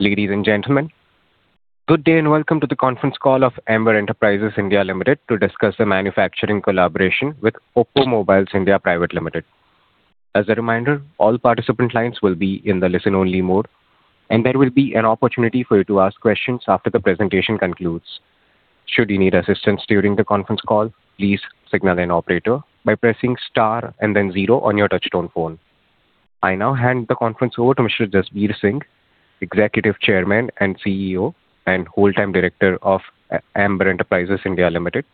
Ladies and gentlemen, good day and welcome to the conference call of Amber Enterprises India Limited to discuss the manufacturing collaboration with OPPO Mobiles India Private Limited. As a reminder, all participant lines will be in the listen-only mode, there will be an opportunity for you to ask questions after the presentation concludes. Should you need assistance during the conference call, please signal an operator by pressing star and then zero on your touch-tone phone. I now hand the conference over to Mr. Jasbir Singh, Executive Chairman and CEO and Whole-Time Director of Amber Enterprises India Limited.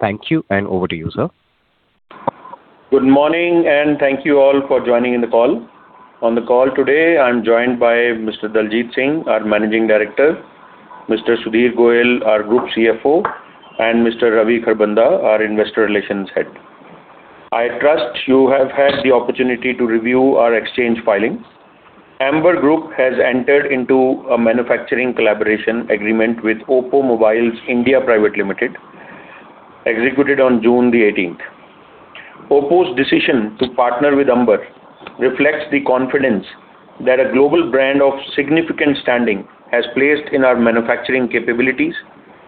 Thank you, and over to you, Sir. Good morning, thank you all for joining the call. On the call today, I'm joined by Mr. Daljit Singh, our Managing Director, Mr. Sudhir Goyal, our Group CFO, and Mr. Ravi Kharbanda, our Investor Relations Head. I trust you have had the opportunity to review our exchange filings. Amber Group has entered into a manufacturing collaboration agreement with OPPO Mobiles India Private Limited, executed on June the 18th. OPPO's decision to partner with Amber reflects the confidence that a global brand of significant standing has placed in our manufacturing capabilities,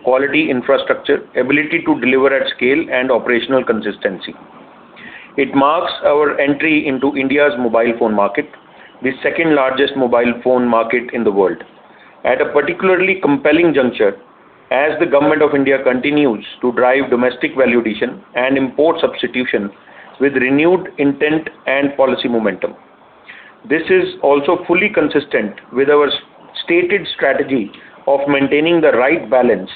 quality infrastructure, ability to deliver at scale, and operational consistency. It marks our entry into India's mobile phone market, the second-largest mobile phone market in the world, at a particularly compelling juncture as the Government of India continues to drive domestic value addition and import substitution with renewed intent and policy momentum. This is also fully consistent with our stated strategy of maintaining the right balance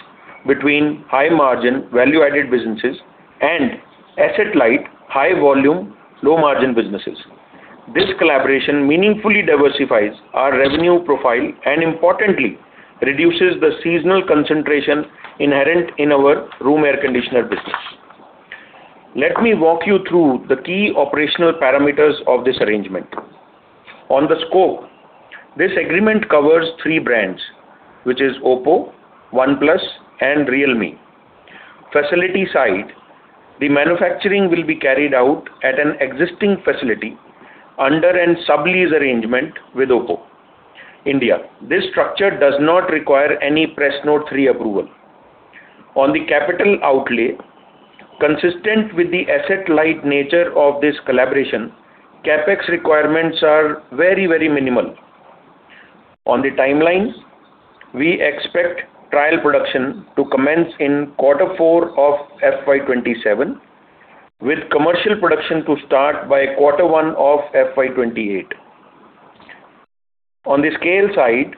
between high-margin, value-added businesses and asset-light, high-volume, low-margin businesses. This collaboration meaningfully diversifies our revenue profile and, importantly, reduces the seasonal concentration inherent in our room air conditioner business. Let me walk you through the key operational parameters of this arrangement. On the scope, this agreement covers three brands, which is OPPO, OnePlus, and Realme. Facility side, the manufacturing will be carried out at an existing facility under a sublease arrangement with OPPO India. This structure does not require any Press Note 3 approval. On the capital outlay, consistent with the asset-light nature of this collaboration, CapEx requirements are very minimal. On the timelines, we expect trial production to commence in quarter four of FY 2027, with commercial production to start by quarter one of FY 2028. On the scale side,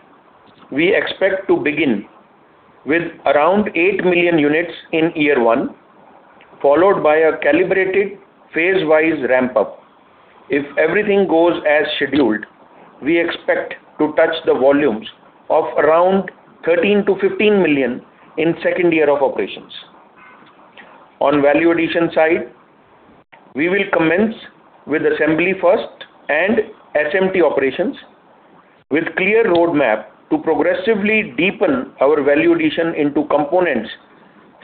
we expect to begin with around eight million units in year one, followed by a calibrated phase-wise ramp-up. If everything goes as scheduled, we expect to touch the volumes of around 13 million-15 million in the second year of operations. On the value addition side, we will commence with assembly first and SMT operations with a clear roadmap to progressively deepen our value addition into components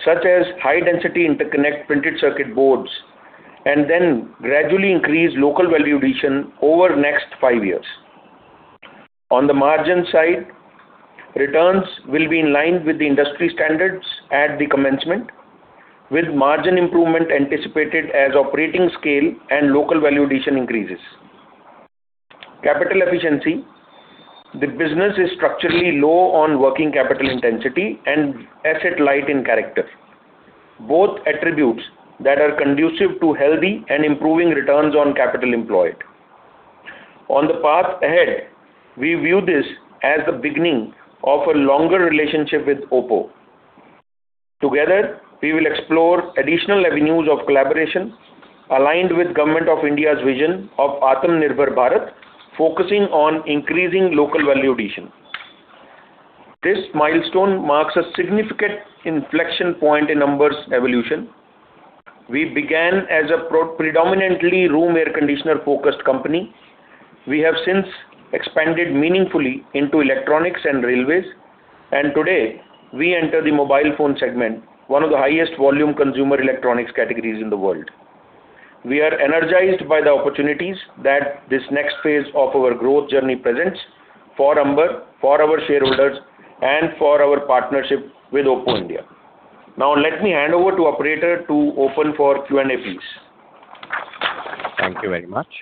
such as high-density interconnect printed circuit boards, and then gradually increase local value addition over the next five years. On the margin side, returns will be in line with the industry standards at the commencement, with margin improvement anticipated as operating scale and local value addition increases. Capital efficiency. The business is structurally low on working capital intensity and asset light in character, both attributes that are conducive to healthy and improving returns on capital employed. On the path ahead, we view this as the beginning of a longer relationship with OPPO. Together, we will explore additional avenues of collaboration aligned with the government of India's vision of Atmanirbhar Bharat, focusing on increasing local value addition. This milestone marks a significant inflection point in Amber's evolution. We began as a predominantly room air conditioner-focused company. We have since expanded meaningfully into electronics and railways, and today we enter the mobile phone segment, one of the highest volume consumer electronics categories in the world. We are energized by the opportunities that this next phase of our growth journey presents for Amber, for our shareholders, and for our partnership with OPPO India. Now, let me hand over to Operator to open for Q&A, please. Thank you very much.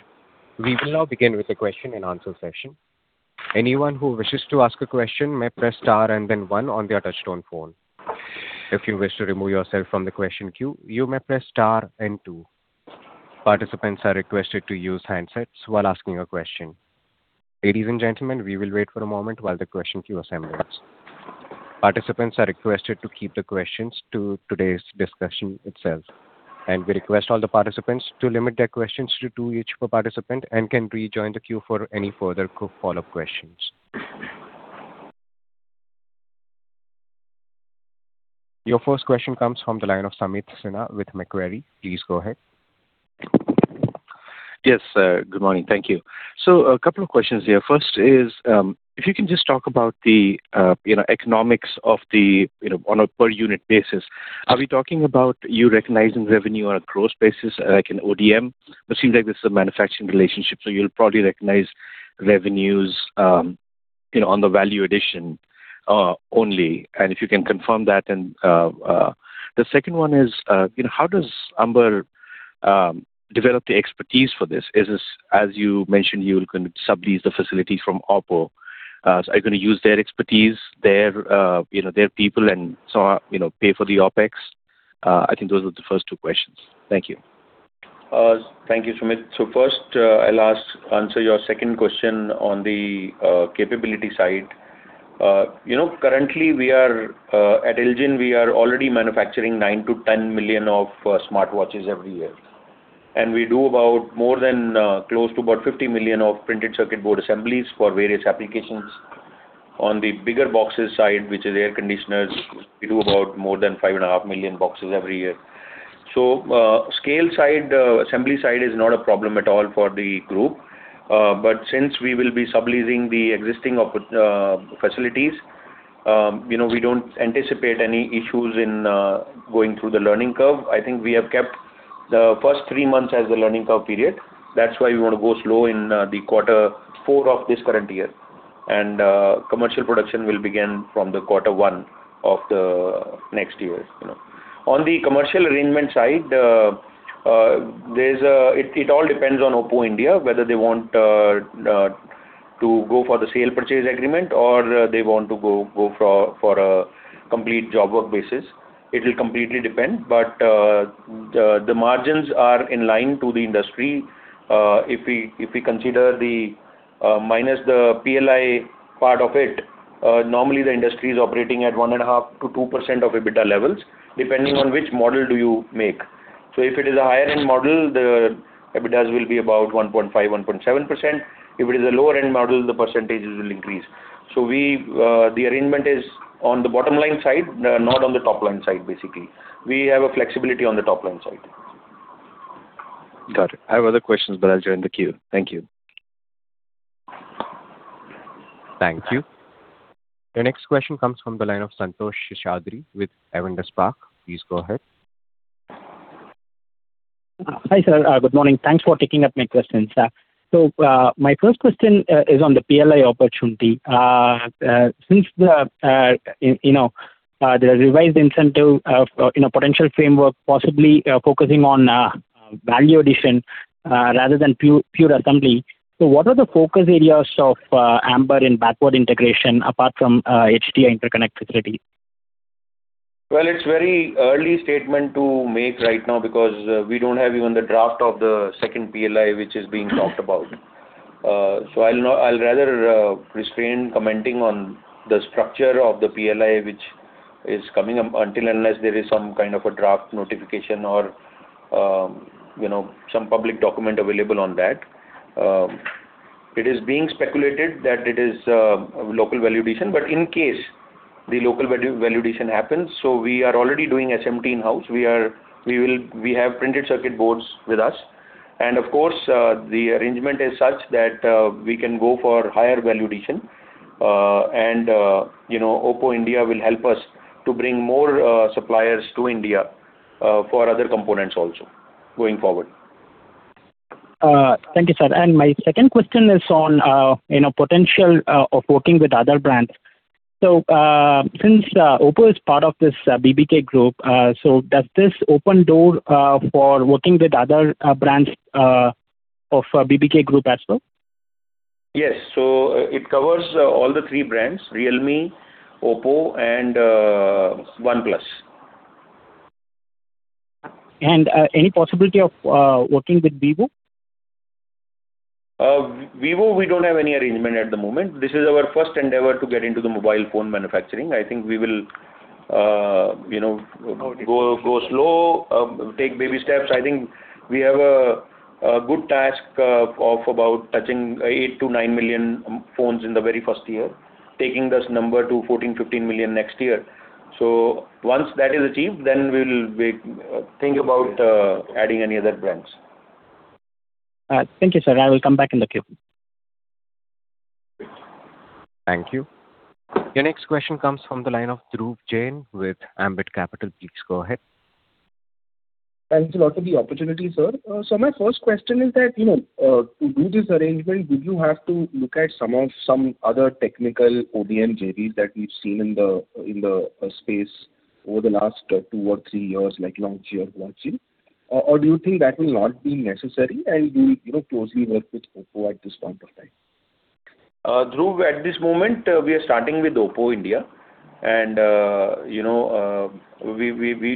We will now begin with the question and answer session. Anyone who wishes to ask a question may press star and then one on their touch-tone phone. If you wish to remove yourself from the question queue, you may press star and two. Participants are requested to use handsets while asking a question. Ladies and gentlemen, we will wait for a moment while the question queue assembles. Participants are requested to keep the questions to today's discussion itself, and we request all the participants to limit their questions to two each per participant and can rejoin the queue for any further follow-up questions. Your first question comes from the line of Sumit Sinha with Macquarie. Please go ahead. Yes. Good morning. Thank you. A couple of questions here. First is, if you can just talk about the economics on a per unit basis. Are we talking about you recognizing revenue on a gross basis, like an ODM? But it seems like this is a manufacturing relationship, so you'll probably recognize revenues on the value addition only. If you can confirm that. The second one is, how does Amber develop the expertise for this? As you mentioned, you're going to sublease the facility from OPPO. Are you going to use their expertise, their people, and so pay for the OpEx? I think those are the first two questions. Thank you. Thank you, Sumit. First, I'll answer your second question on the capability side. Currently at IL JIN, we are already manufacturing nine to 10 million of smartwatches every year. We do about more than close to about 50 million of printed circuit board assemblies for various applications. On the bigger boxes side, which is air conditioners, we do about more than 5.5 million boxes every year. Scale side, assembly side is not a problem at all for the group. Since we will be subleasing the existing facilities, we don't anticipate any issues in going through the learning curve. I think we have kept the first three months as the learning curve period. That's why we want to go slow in the quarter four of this current year. Commercial production will begin from the quarter one of the next year. On the commercial arrangement side, it all depends on OPPO India, whether they want to go for the sale purchase agreement or they want to go for a complete job work basis. It will completely depend, but the margins are in line to the industry. If we consider minus the PLI part of it, normally the industry is operating at 1.5%-2% of EBITDA levels, depending on which model do you make. If it is a higher-end model, the EBITDAs will be about 1.5%, 1.7%. If it is a lower-end model, the percentages will increase. The arrangement is on the bottom line side, not on the top-line side, basically. We have a flexibility on the top-line side. Got it. I have other questions, but I'll join the queue. Thank you. Thank you. The next question comes from the line of Santhosh Seshadri with Avendus Spark. Please go ahead. Hi, Sir. Good morning. Thanks for taking up my questions. My first question is on the PLI opportunity. Since there are revised incentive in a potential framework, possibly focusing on value addition rather than pure assembly. What are the focus areas of Amber in backward integration apart from HDI Interconnect facility? Well, it's very early statement to make right now because we don't have even the draft of the second PLI, which is being talked about. I'll rather restrain commenting on the structure of the PLI, which is coming up, until unless there is some kind of a draft notification or some public document available on that. It is being speculated that it is local value addition. In case the local value addition happens, we are already doing SMT in-house. We have printed circuit boards with us. Of course, the arrangement is such that we can go for higher value addition. OPPO India will help us to bring more suppliers to India for other components also going forward. Thank you, sir. My second question is on potential of working with other brands. Since OPPO is part of this BBK group, does this open door for working with other brands of BBK group as well? Yes. It covers all the three brands, Realme, OPPO, and OnePlus. Any possibility of working with Vivo? Vivo, we don't have any arrangement at the moment. This is our first endeavor to get into the mobile phone manufacturing. I think we will go slow, take baby steps. I think we have a good task of about touching eight to nine million phones in the very first year. Taking this number to 14 million-15 million next year. Once that is achieved, then we will think about adding any other brands. Thank you, Sir. I will come back in the queue. Thank you. Your next question comes from the line of Dhruv Jain with Ambit Capital. Please go ahead. Thanks a lot for the opportunity, Sir. My first question is that, to do this arrangement, did you have to look at some other technical ODM JVs that we've seen in the space over the last two or three years, like Longcheer? Or do you think that will not be necessary and we will closely work with OPPO at this point of time? Dhruv, at this moment, we are starting with OPPO India, we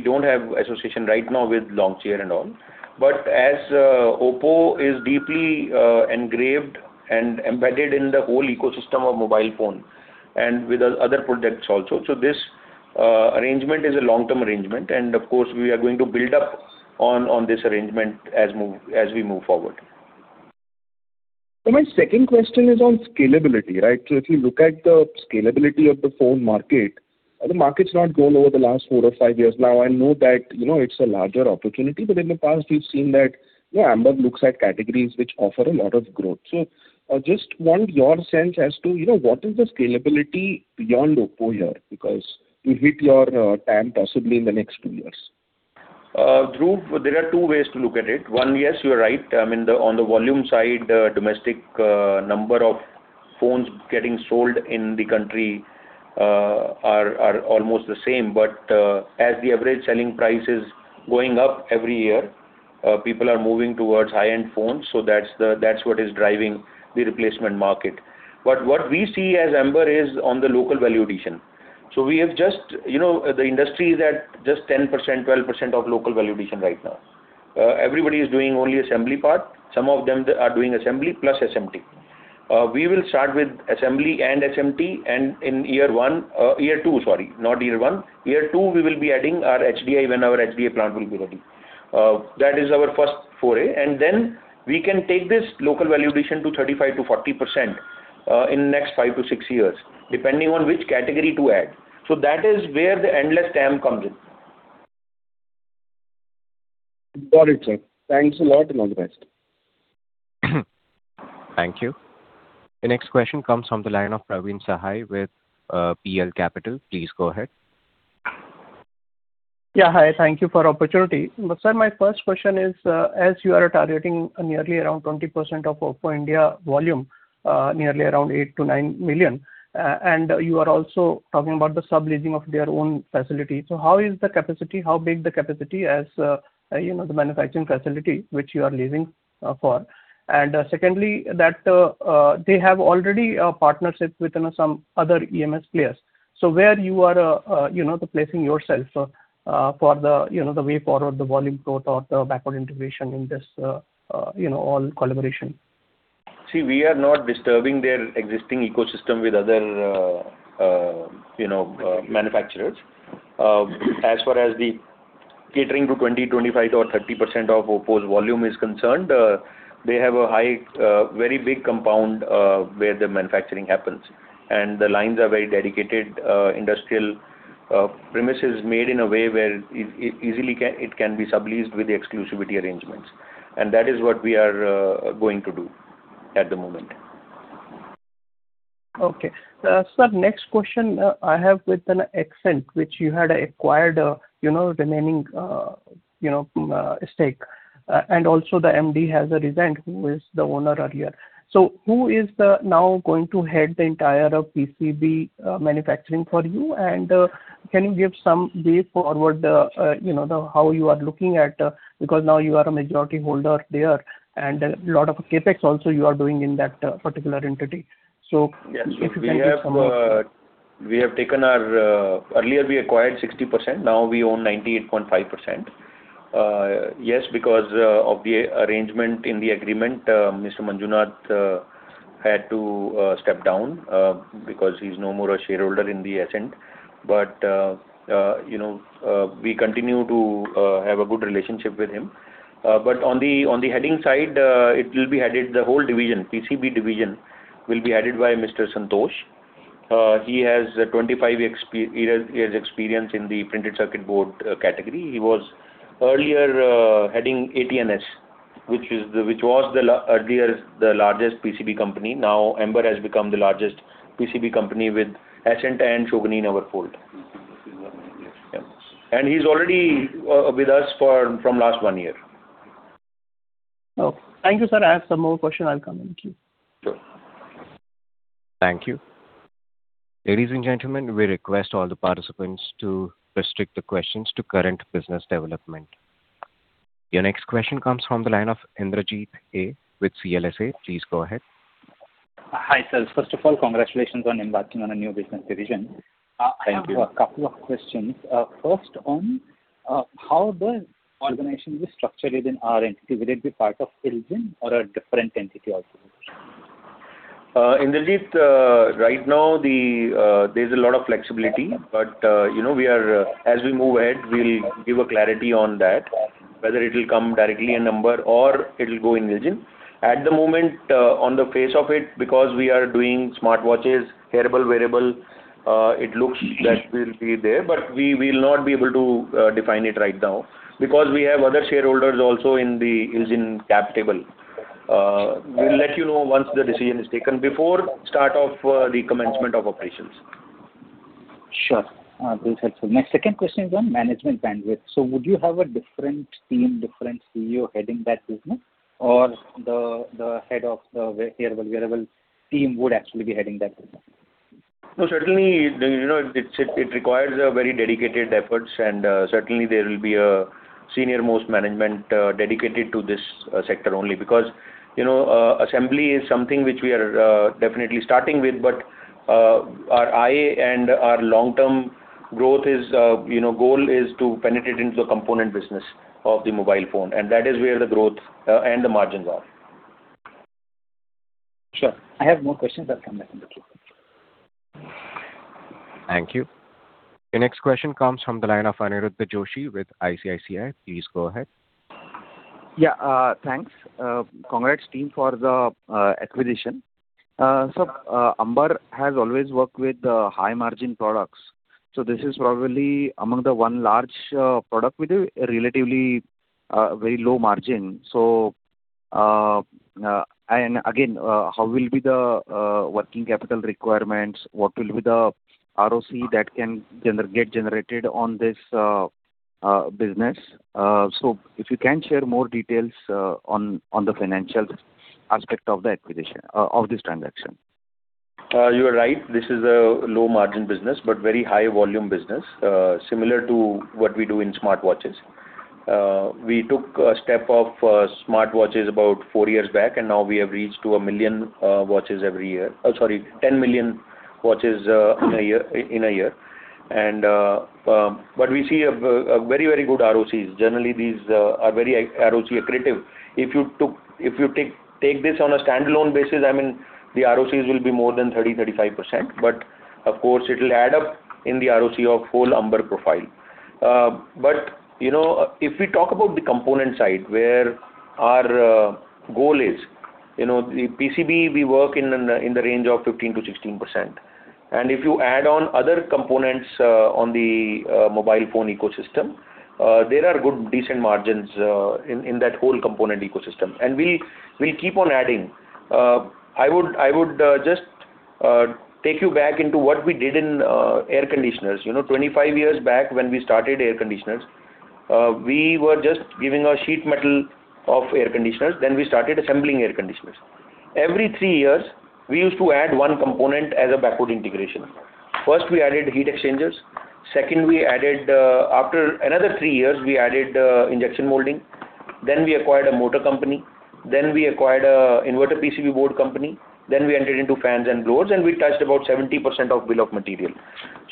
don't have association right now with Longcheer and all. As OPPO is deeply engraved and embedded in the whole ecosystem of mobile phone and with other products also. This arrangement is a long-term arrangement, and of course, we are going to build up on this arrangement as we move forward. My second question is on scalability, right? If you look at the scalability of the phone market, the market's not grown over the last four or five years now. I know that it's a larger opportunity, but in the past, we've seen that Amber looks at categories which offer a lot of growth. Just want your sense as to what is the scalability beyond OPPO here, because you'll hit your TAM possibly in the next two years? Dhruv, there are two ways to look at it. One, yes, you are right. On the volume side, domestic number of phones getting sold in the country are almost the same. As the average selling price is going up every year, people are moving towards high-end phones, that's what is driving the replacement market. What we see as Amber is on the local value addition. The industry is at just 10%-12% of local value addition right now. Everybody is doing only assembly part. Some of them are doing assembly plus SMT. We will start with assembly and SMT, and in year two, sorry, not year one. Year two, we will be adding our HDI when our HDI plant will be ready. That is our first foray, then we can take this local value addition to 35%-40% in next five to six years, depending on which category to add. That is where the endless TAM comes in. Got it, Sir. Thanks a lot, and all the best. Thank you. The next question comes from the line of Praveen Sahay with PL Capital. Please go ahead. Yeah, hi. Thank you for the opportunity. Sir, my first question is, as you are targeting nearly around 20% of OPPO India volume, nearly around eight to nine million, and you are also talking about the subleasing of their own facility. How is the capacity, how big the capacity as the manufacturing facility which you are leasing for? Secondly, that they have already a partnership with some other EMS players. Where you are placing yourself for the way forward, the volume growth or the backward integration in this all collaboration? See, we are not disturbing their existing ecosystem with other manufacturers. As far as the catering to 20%, 25% or 30% of OPPO's volume is concerned, they have a very big compound where the manufacturing happens, and the lines are very dedicated industrial premises made in a way where easily it can be subleased with exclusivity arrangements. That is what we are going to do at the moment. Okay. Sir, next question I have with Ascent, which you had acquired the remaining stake. Also the MD has resigned, who was the owner earlier. Who is now going to Head the entire PCB manufacturing for you? Can you give some way forward, how you are looking at, because now you are a majority holder there, and a lot of CapEx also you are doing in that particular entity? If you can give some. Yes. Earlier, we acquired 60%, now we own 98.5%. Yes, because of the arrangement in the agreement, Mr. Manjunath had to step down because he is no more a shareholder in Ascent. We continue to have a good relationship with him. On the heading side, the whole division, PCB division, will be headed by Mr. Santosh. He has 25 years experience in the printed circuit board category. He was earlier heading AT&S, which was earlier the largest PCB company. Now Amber has become the largest PCB company with Ascent and Shogini in our fold. He is already with us from last one year. Okay. Thank you, Sir. I have some more questions, I will come in queue. Sure. Thank you. Ladies and gentlemen, we request all the participants to restrict the questions to current business development. Your next question comes from the line of Indrajit Agarwal with CLSA. Please go ahead. Hi, Sir. First of all, congratulations on embarking on a new business division. Thank you. I have a couple of questions. First on how the organization will structure within our entity. Will it be part of IL JIN or a different entity altogether? Indrajit, right now, there's a lot of flexibility, but as we move ahead, we'll give a clarity on that, whether it will come directly in Amber or it will go in IL JIN. At the moment, on the face of it, because we are doing smartwatches, hearable wearable, it looks that will be there, but we will not be able to define it right now because we have other shareholders also in the IL JIN cap table. We'll let you know once the decision is taken before start of the commencement of operations. Sure. That's helpful. My second question is on management bandwidth. Would you have a different team, different CEO heading that business? Or the Head of the hearable wearable team would actually be heading that business? Certainly, it requires a very dedicated efforts, certainly, there will be a senior-most management dedicated to this sector only because assembly is something which we are definitely starting with, but our eye and our long-term goal is to penetrate into the component business of the mobile phone, that is where the growth and the margins are. Sure. I have more questions. I'll come back in the queue. Thank you. The next question comes from the line of Aniruddha Joshi with ICICI. Please go ahead. Yeah. Thanks. Congrats team for the acquisition. Sir, Amber Enterprises India has always worked with high-margin products. This is probably among the one large product with a relatively very low margin. Again, how will be the working capital requirements? What will be the ROC that can get generated on this business? If you can share more details on the financial aspect of this transaction. You are right, this is a low margin business, but very high volume business, similar to what we do in smartwatches. We took a step of smartwatches about four years back, and now we have reached to one million watches every year. Oh, sorry, 10 million watches in a year. We see a very good ROCs. Generally, these are very ROC accretive. If you take this on a standalone basis, the ROCs will be more than 30%-35%. Of course, it will add up in the ROC of whole Amber profile. If we talk about the component side, where our goal is, the PCB, we work in the range of 15%-16%. If you add on other components on the mobile phone ecosystem, there are good, decent margins in that whole component ecosystem. We'll keep on adding. I would just take you back into what we did in air conditioners. 25 years back when we started air conditioners, we were just giving a sheet metal of air conditioners, then we started assembling air conditioners. Every three years, we used to add one component as a backward integration. First, we added heat exchangers. Second, after another three years, we added injection molding. Then we acquired a motor company, then we acquired a inverter PCB board company, then we entered into fans and blowers, and we touched about 70% of bill of material.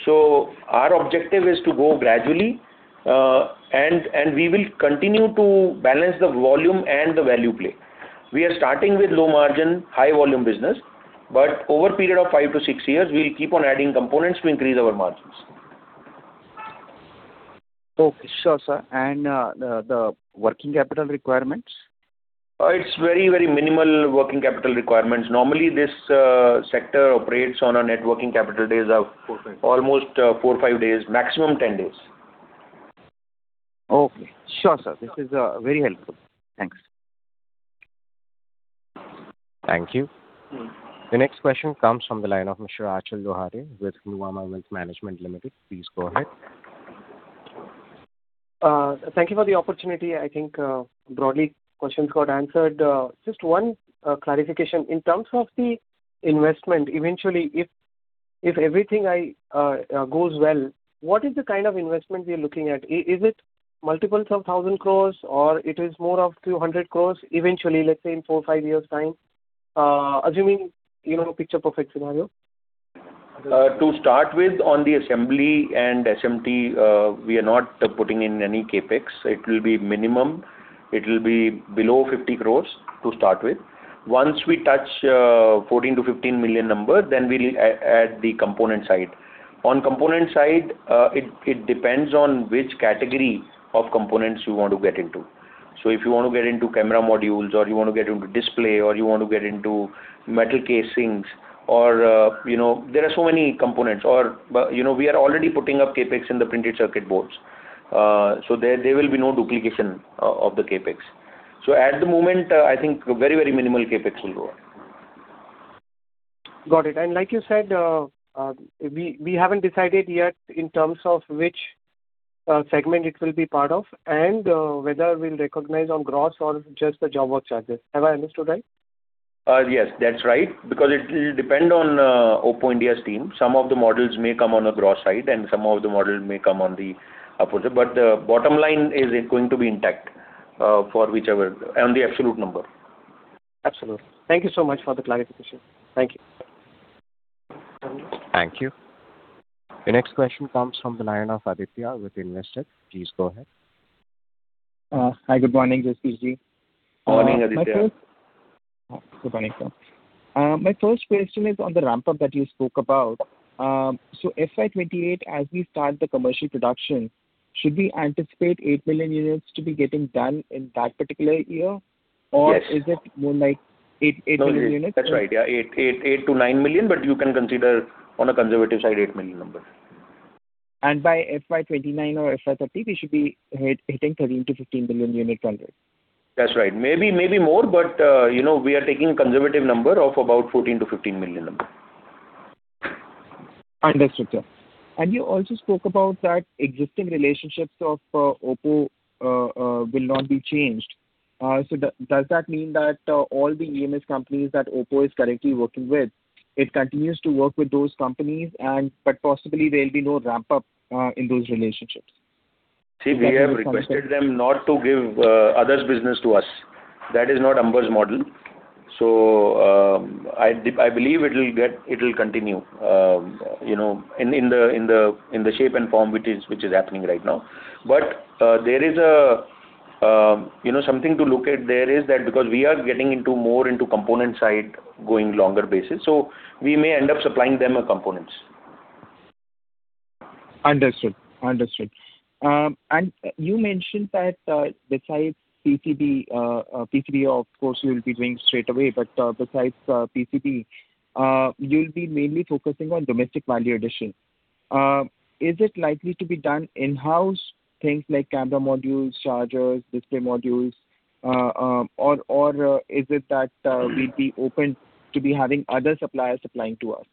Our objective is to go gradually, and we will continue to balance the volume and the value play. We are starting with low margin, high volume business, but over a period of five to six years, we'll keep on adding components to increase our margins. Okay, sure, Sir. The working capital requirements? It's very minimal working capital requirements. Normally, this sector operates on a net working capital days of- almost four, five days, maximum 10 days. Okay. Sure, Sir. This is very helpful. Thanks. Thank you. The next question comes from the line of Mr. Achal Lohade with Nuvama Wealth Management Limited. Please go ahead. Thank you for the opportunity. I think broadly questions got answered. Just one clarification. In terms of the investment, eventually, if everything goes well, what is the kind of investment we are looking at? Is it multiples of 1,000 crores or it is more of 200 crores eventually, let's say, in four or five years' time, assuming picture-perfect scenario? To start with, on the assembly and SMT, we are not putting in any CapEx. It will be minimum. It will be below 50 crore to start with. Once we touch 14 million-15 million number, then we'll add the component side. On component side, it depends on which category of components you want to get into. If you want to get into camera modules, or you want to get into display, or you want to get into metal casings. There are so many components. We are already putting up CapEx in the printed circuit boards. There will be no duplication of the CapEx. At the moment, I think very minimal CapEx will go up. Got it. Like you said, we haven't decided yet in terms of which segment it will be part of and whether we'll recognize on gross or just the job work charges. Have I understood right? Yes, that's right, because it will depend on OPPO India's team. Some of the models may come on a gross side and some of the models may come on the opposite, but the bottom line is going to be intact on the absolute number. Absolutely. Thank you so much for the clarification. Thank you. Thank you. The next question comes from the line of Aditya with Investec. Please go ahead. Hi, good morning, Jasbir Singh. Morning, Aditya. Good morning, Sir. My first question is on the ramp-up that you spoke about. FY 2028, as we start the commercial production, should we anticipate eight million units to be getting done in that particular year? Yes. Is it more like eight to nine million units? That's right, yeah. Eight to nine million, you can consider on a conservative side, eight million number. By FY 2029 or FY 2030, we should be hitting 13 million-15 million unit run rate. That's right. Maybe more, we are taking a conservative number of about 14 million-15 million number. Understood, Sir. You also spoke about that existing relationships of OPPO will not be changed. Does that mean that all the EMS companies that OPPO is currently working with, it continues to work with those companies, but possibly there will be no ramp-up in those relationships? See, we have requested them not to give others' business to us. That is not Amber's model. I believe it will continue in the shape and form which is happening right now. Something to look at there is that because we are getting more into component side, going longer basis, we may end up supplying them components. Understood. You mentioned that besides PCB, of course, you will be doing straightaway, but besides PCB, you will be mainly focusing on domestic value addition. Is it likely to be done in-house, things like camera modules, chargers, display modules, or is it that we will be open to be having other suppliers supplying to us?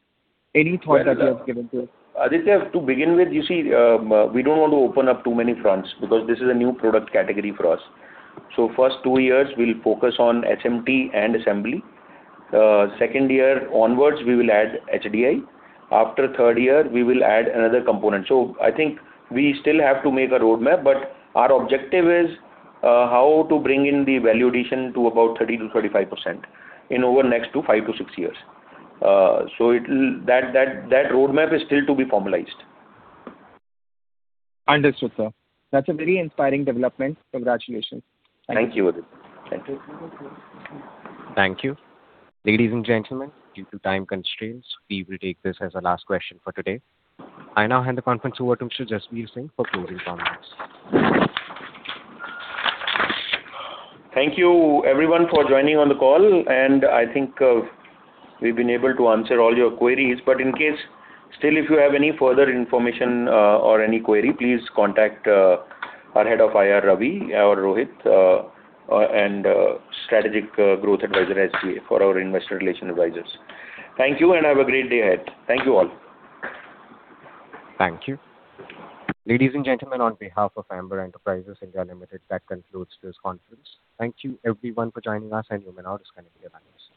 Any thought that you have given to it? Aditya, to begin with, you see, we don't want to open up too many fronts because this is a new product category for us. First two years, we will focus on SMT and assembly. Second year onwards, we will add HDI. After third year, we will add another component. I think we still have to make a roadmap, but our objective is how to bring in the value addition to about 30%-35% in over next five to six years. That roadmap is still to be formalized. Understood, Sir. That's a very inspiring development. Congratulations. Thank you, Aditya. Thank you. Thank you. Ladies and gentlemen, due to time constraints, we will take this as the last question for today. I now hand the conference over to Mr. Jasbir Singh for closing comments. Thank you everyone for joining on the call. I think we've been able to answer all your queries. In case, still if you have any further information or any query, please contact our Head of IR, Ravi or Rohit, and Strategic Growth Advisors, SGA, for our Investor Relations Advisors. Thank you. Have a great day ahead. Thank you all. Thank you. Ladies and gentlemen, on behalf of Amber Enterprises India Limited, that concludes this conference. Thank you everyone for joining us. You may now disconnect your lines. Thank you.